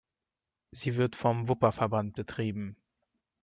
Sie wird vom Wupperverband betrieben.